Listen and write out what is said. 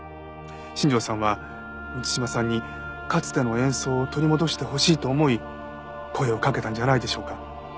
新庄さんは満島さんにかつての演奏を取り戻してほしいと思い声をかけたんじゃないでしょうか？